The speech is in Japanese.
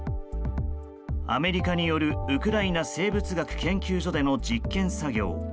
アメリカによるウクライナ生物学研究所での実験作業。